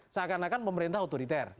seakan akan pemerintah otoriter